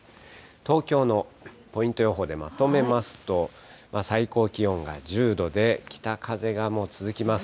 東京のポイント予報でまとめますと、最高気温が１０度で、北風がもう続きます。